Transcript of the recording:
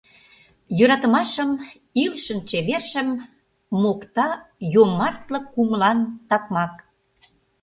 Йӧратымашым — илышын чевержым — мокта йомартле кумылан такмак.